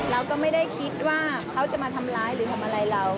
เราก็ไม่ได้คิดว่าเขาจะมาทำร้ายหรือทำอะไรเรา